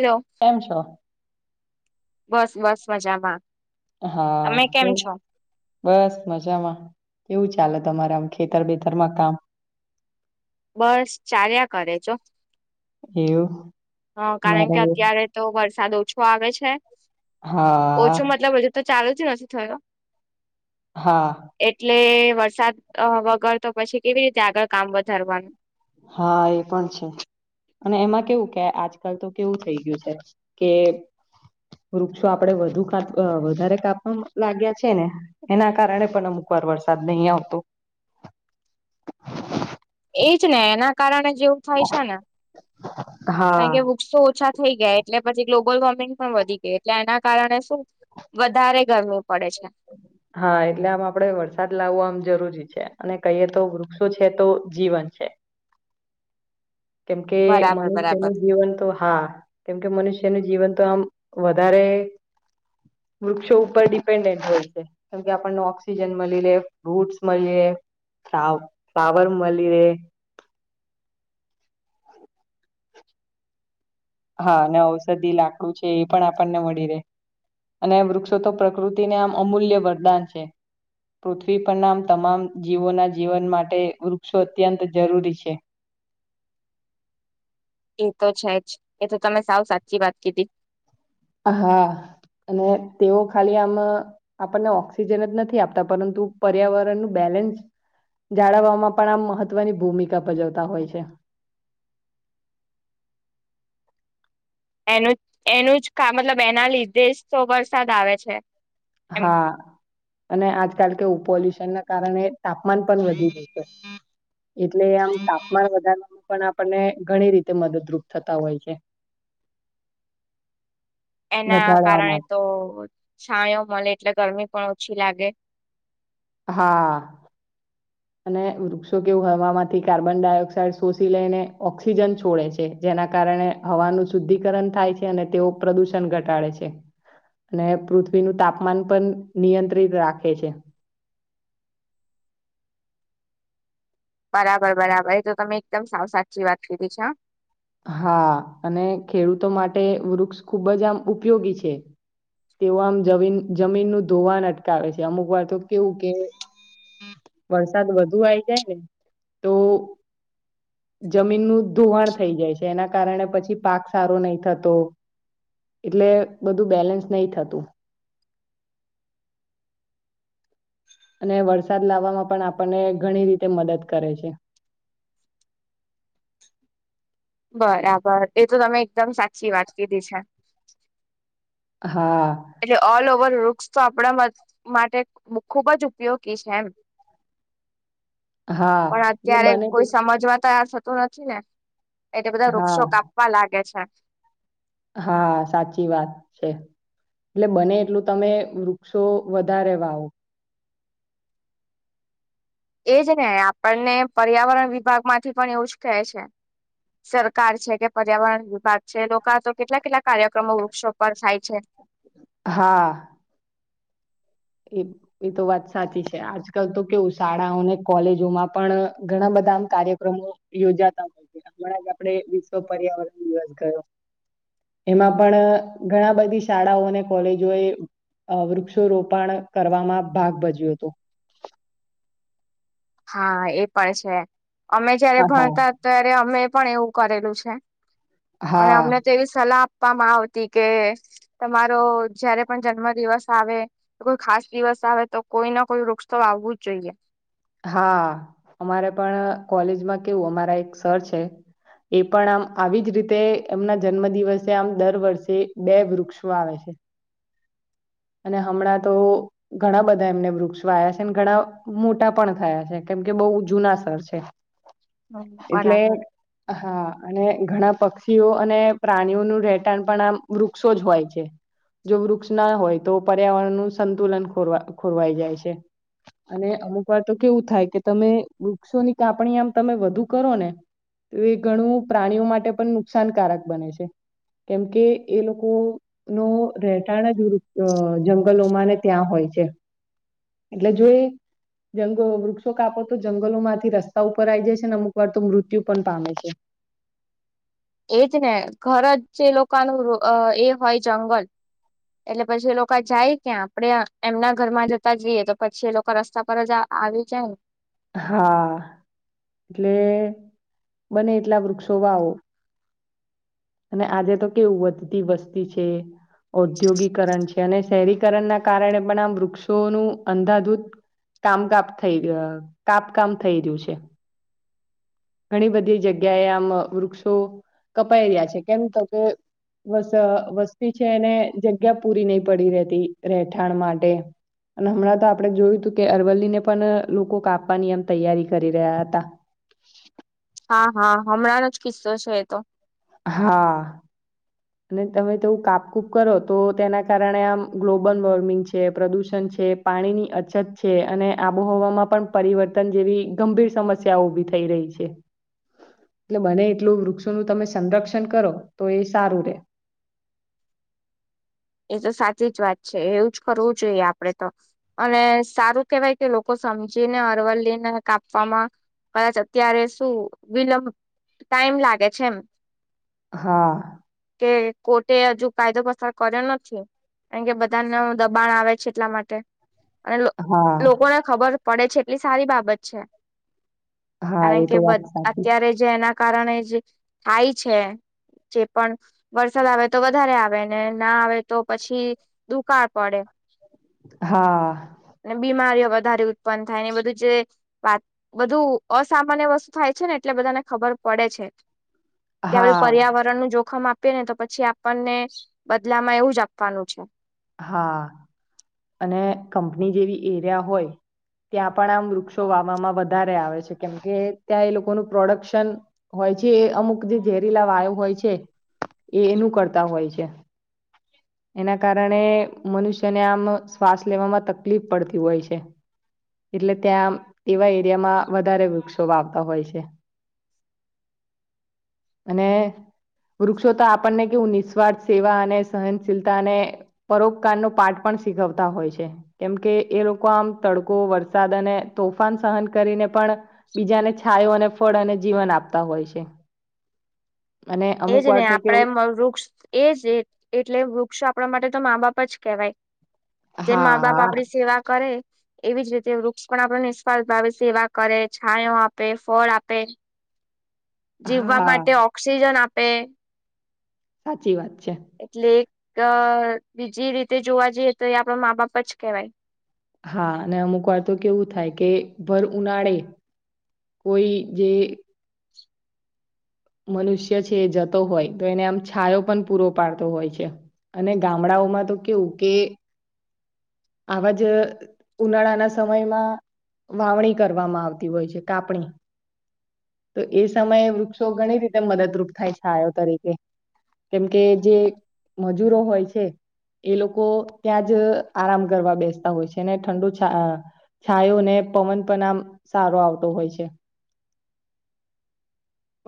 Hello કેમ છો બસ બસ મજામાં હા તમે કેમ છો? બસ મજામાં કેવું ચાલે તમારા આમ ખેતર બેેતરમાં કામ બસ ચાલ્યા કરે છો એવું હ કારણ અમારે કે અત્યારે તો વરસાદ ઓછો આવે છે હા ઓછું મતલબ હજુ તો ચાલુ જ નથી થયો હા એટલે વરસાદ વગર તો પછી કેવી રીતે આગળ કામ વધારવાનું હા એ પણ છે અને એમાં કેવું કે આજકાલ તો કેવું થઈ ગયું છે કે વૃક્ષો આપડે વધુ કાપ વધારે કાપવા લાગ્યા છે ને એના કારણે પણ અમુક વરસાદ નહી આવતો એજ ને એના કારણે જેવું થાય છે ને હા કારણ કે વૃક્ષો ઓછા થઈ ગયા એટલે પછી ગ્લોબલ વોર્મિ પણ વધી ગઈ એટલે એના કારણે શું વધારે ગરમ હા એટલે આમ આપડે વરસાદ લાવવો આમ જરૂરી છે અને કહીએ તો વૃક્ષો છે તો જીવન છે કેમકે બરાબર બરાબર મનુષ્યનું જીવન તો હા કેમકે મનુષ્યનું જીવન તોમ વધારે વૃક્ષો ઉપર ડિપેન્ડન્ટ હોય છે કેમ કે આપણને ઓક્સિજન મળી લે ફ્રૂટ્સ મળી લે સા પાવર મલી રે હા ને ઔષધિ લાકડું છે એ પણ આપણને મળી રહેે અને વૃક્ષો તો પ્રકૃતિને આમ અમૂલ્ય વરદાન છે પૃથ્વી પર નામ તમામ જીવોના જીવન માટે વૃક્ષો અત્યંત જરૂરી છે [inaudible] એ તો છે જ એ તો તમે સાવ સાચી વાત કીધી હા અને તેઓ ખાલી આમ આપણને ઓક્સિજન જ નથી આપતા પરંતુ પર્યાવરણ ન બે જાળવવામાં પણ આમ મહત્વની ભૂમિકા ભજવતા હોય છે [inaudible] એનું એનું જ મતલબ એના લીધે તો વરસાદ આવે છે એમ હા અને આજકાલ કેું પોલ્યુ તેના કારણે તાપમાન પણ વધી જશે એટલે આમ તાપમાન વધારવાવામાં પણ આપણને ઘણી રીતે મદદરૂપ થતા હોય છે [inaudible] એના ઘટાડવા કારણે માટે તો છાયો મળે એટલે ગરમી પણ ઓછી લાગે હા અને વૃક્ષો કેવું હવામાંથી કાર્બન ડાયોક્સાઇડ શોષી લઈને ઓક્સિજન છોડે છે જેના કારણે કાર હવાનું શુદ્ધિકરણ થાય છે, અને તેઓ પ્રદુષણ ઘટાડે છે. અને પૃથ્વીનુ, તાપમાન પણ નિયંત્રિત રાખે છે. બરાબર, બરાબર એ તો તમે એકદમ સાવ સાચી વાત કરીધ છે, હા હા, અને ખેડૂતો માટે વૃક્ષ ખૂબજ આમ ઉપયોગી છે. તેઓ આમ જમીન જમીન ન ધોવાન અટકાવે છે, અમુક વાર તો કેવું કે વરસાદ વધુ આવીઈ જાય, ને તો જમીનનું ધુવાણ થઈ જાય છે, એના કારણે પછી પાક સારો નહી, થતો એટલે બધુ, બેલેન્સ નહ, થતું. અને વરસાદ લાવવામા, પણ આપણને ઘણી રીતે મદદ કરે છે. [inaudible] બરાબર એ, તો તમે એકદમ સાચી વાત કીધી છે. હા એટલે, ઓલ ઓવર ર બસ તો આપણા માટે ખુબ જ ઉપયોગી છે. એમ હા પણ એટલે અત્યારે બને તે કોઈ, સમજવા ત. નથી. ને એટલે બધા હા વૃક્ષો કાપવા લાગે છે. હા, સાચી વાત છે. એટલે બને એટલુ, તમે વૃક્ષો વધારે વાવો એજ ને આપણને પર્યાવરણ વિભાગ, માંથી પણ એવું જ કહે છે. સરકાર છે. કે પર્યાવરણ વિભાગ છે, લોકો તો કેટલા કેટલા કાર્યક્રમો વૃક્ષો પર થાય છે. હા એ એ તો વાત સાચી છે, આજકાલ તો કેવું શાળાઓને કોલેજોમાં પણ ઘણા બધા કાર્યક્રમો યોજાતા હોય, છે. હણાં જ આપે વિશ્વ પર્યાવરણ દિવસ ગયો એમાં પણ ઘણા બધી શાળાઓ, અને કોલેજો એ વૃક્ષો રોપ પણ કરવામાં ભાગ ભજ્યું હતુ. હા, એ પણ છે. અમે જયારે હા ભણતા ત્યારે અમે પણ એવું કરેલું છે, હા અને અમને હા તેવી સલાહ આપ આપવામાં આવતી કે તમારો જયારે, પણ જન્મ દિવસ આવે કોઈ, ખાસ દિવસ આવે તો કોઈ ના કોઈ વૃક્ષ, તો આવવું જ જોઈએ હા, અમારે પણ કોલેજમાં કેવું અમારા એક સર છે. એ પણ આમ આવીજ રીતે, એમના જન્મ દિવસે આમ દર વર્ષે બે વૃક્ષો આવે છે. હ અને હમણાં તો ઘણા બધા એમને વૃક્ષો આવયા છે, ઘણા મોટા પણ થયા છે. કેમ કે બહ જૂના શર છે, એટલે બરાબર. હા અને ઘણા પક્ષીઓ, અને પ્રાણીઓનું રહેટાણ પણ આ વૃક્ષો જ હોય છે. જો વૃક્ષના હોય, તો પર્યાવરણ નુ સંતુલન ખોરવા ખોરવાઈ જાય છે. અને અમુક વાર તો કેવું થાય, કે તમે વૃક્ષોની કાપણી આમ તમે વધુ કરો ને તો એ ઘણું પ્રાણીઓ, માટે પણ નુકસાનકારક બને છે. કેમકે, એ લોકો નો રહેટાણ જપ અ જગલોમાને ત્યાં હોય છે, એટલે જોઈ જંગલ વૃક્ષો, કાપો તો જંગલો માંથી રસ્તા ઉપર આઈ જાય છેને. અમુક વાર તો મૃત્યુ પણ પામે છે. એજ ને ઘર જ જે લોકોનુ એ હોય, જંગલ એટલે પછી, એ લોકો જાય ક્યા આપડે એમના ઘરમા જતા જઈએ, તો પછી એ લોકો રસ્તા પર જ આવી, જાય ને હા એટલે, બને એટલા વૃક્ષો વાવો અને આજે, તો કેવું વધતી વસ્તી છે. ઔદ્યોગીિકરણ છે, અને શહેરીકરણના કારણે પણ આ વૃક્ષોનુ અંધાધૂત કામ કપ થઈ, કાપ કામ થઈ રહ્યું છે. ઘણી બધી જગ્યાએ, આમ વૃક્ષો કપાઈ રહ્યા છે. કેમ તો કે બસ વસ્તી છે એને જગ્યા પૂરી નહી પડી રહેતી રહેઠાણ માટે અને હમણાં તો આપડે જોયું તું કે અરવલ્લી ને પણ લોકો કાપ પાની આમ તૈયારી કરી રહ્યા હતા હા હા હમણાંનો જ કિસ્સો છે એતો હા અને તમે તેવું કાપકૂપ કરો તો તેના કારણે આમ ગ્લોબલ વોર્મિંગ છે પ્રદુષણ છે છે પાણીની અછત છે અને આબોહવામાં પણ પરિવર્તન જેવી ગંભીર સમસ્યાઓ ઉભી થઈ એટલે બને એટલું વૃક્ષોનું તમે સંરક્ષણ કરો તો એ સારું રે એ તો સાચી જ વાત છે એવું જ કરવું જોઈએ આપડે તો અને સારું કેવાય કે લોકો સમજીને અરવલ્લીને કાપવામાં કદાચ અત્યારે શું વિલંબ ટાઈમ લાગે છે એમ હા કે કોર્ટે હજુ કાયદો પસાર કર્યો નથી કારણ કે બધા ન દબાણ આવે છે એટલા માટે અને હા, લોકોને ખબર પડે છે એટલી સારી બાબત છે. હા, કારણ એ કે તો વાત સાચી. અત્યારે જે એના કારણે થાય છે, જે પણ વરસાદ આવે તો વધારે આવે ને ના આવે તો પછી દુકાળ પડે. હા અને બીમારીઓ વધારે ઉત્પન્ન થાય ને એ બધું જે વાત બધું અસામાન્ય વસ્તુ થાય છે. છે ને એટલે બધાને ખબર પડે છે કે, આપ હા, પર્યાવરણ નું જોખમ આપ આપ ને તો પછી આપણને બદલામાં એવું જ આપવાનું છે. હા અને કંપની જેવી એરિયા હોય ત્યાં પણ આ વૃક્ષો વાવામાં વધારે આવે છે કેમકે ત્યાં એ લોકોનું પ્રોડક્શન હોય હોય છે એ અમુક જે ઝેરીલા વાયુ હોય છે એ એનું કરતા હોય છે. એના કારણ કારણે મનુષ્યને આમ શ્વાસ લેવામાં તકલીફ પડતી હોય છે. એટલે ત્યાં તેવા એરિયામાં વધારે વૃક્ષો વાવતા હોય છે. અને વૃક્ષો તો આપણને કેવું નિસ્વાર્થ સેવા અને સહનશીલતા અને પરોપકારનો પાઠ પણ શીખવતા હોય છે કેમકે એ લોકો આમ તડકો વરસાદ અને તોફાન સહન કરીને પણ બીજાને છાયો અને ફળ અને જીવન આપતા હોય છે. [unintelligible] [inaudible] અમુક એજ વાર ને તો આપડે કેવું વૃક્ષ એજ એટલે વૃક્ષ આપણા માટે તો મા બાપ જ કેવાય જેમ મા બાપ હા આપડી સેવા કરે એવી જ રીતે વૃક્ષ પણ આપ નિષ્ફળ ભાવે સેવા કરે, છાયો આપે, ફળ આપે, જીવવા હા માટે ઓક્સિજન આપે, સાચી વાત છે એટલે એક બીજી રીતે જોવા જઈએ તો એ આપણા મા બાપ જ કેવાય. હા અને અમુક વાર તો કેવું થાય કે ભર ઉનાળે કોઈ જે મનુષ્ય છે એ જતો હોય તો એને આમ છાયો પણ પૂરો પાડતો હોય છે. અને ગામડાઓમાં તો કેવું કે આવા જ ઉનાળાના સમયમાં વાવણી કરવામાં આવતી હોય છે, કાપણી તો એ સમયે વૃક્ષો ઘણી રીતે મદદરૂપ થાય છાયો તરીકે કેમ કે જે મજૂરો હોય છે એ લોકો ત્યાં જ આરામ કરવા બેસતા હોય છે ઠંડુ છ છાયો ને પવન પણ આમ સારો આવતો હો હોય છે.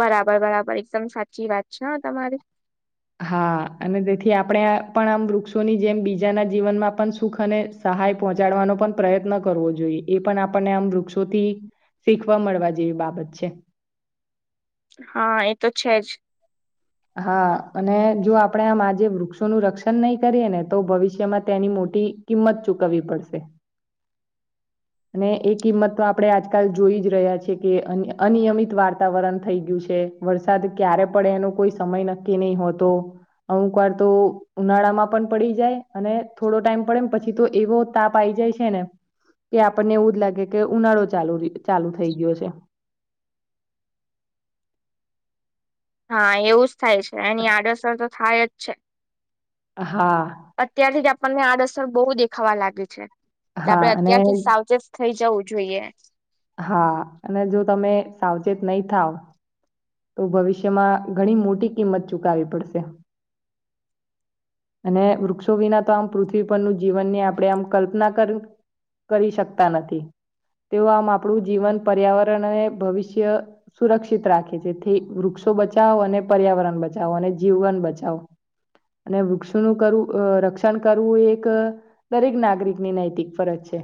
બરાબર બરાબર એકદમ સાચી વાત છે હો તમારી હા અને તેથી આપણે પણ આમ વૃક્ષોની જેમ બીજાના જીવનમાં પણ સુખ અને સહાય પહોંચાડવાનો પણ પ્રયત્ન કરવો જોઈએ એ પણ આપણને આમ વૃક્ષોથી શીખવા મળવા જેવી બાબત છે. હા એ તો છે જ. હા અને જો આપણેે આમ આજે વૃક્ષોનું રક્ષણ નહી કરીયે ને તો ભવિષ્યમાં તેની ટી કિંમત ચૂકાવી પડશે. અને એ કિંમત તો આપણે આજકાલ જોઈ જ રહ્યા છે કે અનિયમિત વાર્તાવરણ થઈ ગયું છે. વરસાદ ક્યારે પડે એનો કોઈ સમય નક્કી નહી હોતો. અમુક વાર તો ઉનાળા માં પણ પડી જાય અને થોડો ટાઈમ પડે પછી તો એવો તાપ આઈ જાય છે ને કે આપણને એવું જ લાગે કે ઉનાળો ચાલુ રી ચાલુ થઈ ગયો છે. [inaudible] હા, એવું જ થાય છે એની આડઅસણ તો થાય જ છે. હા અત્યારથી જ આપણને આ દસર બહુ દેખાવા લાગી છે. એટલે હા આપણે અને અત્યારથી સાઉ જસ્ટ થઈ જવું જોઈએ. હા, અને જો તમે સાવચેત નહી થાવ તો ભવિષ્યમાં ઘણી મોટી કિંમત ચુકાવી પડશે. અને વૃક્ષો વિના તો આમ પૃથ્વી પરનું જીવનની આપણે આમ કલ્પના કર કરી શકતા નથી. તેઓ આમ આપણું જીવન પર્યાવરણ અને ભવિષ્ય સુરક્ષિત રાખે છે. જેથી વૃક્ષો બચાવો અને પર્યાવરણ બચાવો અને જીવન બચાવો. અને વૃક્ષોનું કરવું અહ રક્ષણ કરવું એક દરેક નાગરિકની નૈતિક ફરજ છે.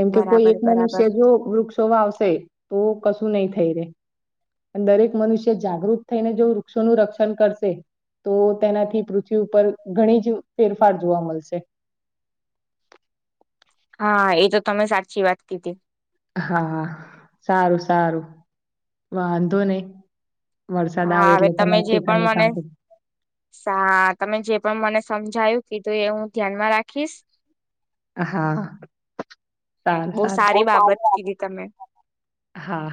એમ તો કોઈ બરાબર એક મનુષ્ય બરાબર જો વૃક્ષોમાં આવશે તો કશું નહી થઈ રે અને દરેક મનુષ્ય જાગૃત થઈને જો વૃક્ષોનું રક્ષણ કરશે. તો તેનાથી પૃથ્વી ઉપર ઘણી જ ફેરફાર જોવા મલશે. [inaudible] હા, એ તો તમે સાચી વાત કીધી. હા, સારું સારું વાંધો નહી. વરસાદ હા આવે હવે એટલે તમે તમારે જે પણ ખેતરનું મને, કામ હા તમે જે પણ મને સમજાયું કીધું એ હું ધ્યાનમાં રાખીશ હા સારું બહુ સારી બાબત સારું. કીધી તમે હા.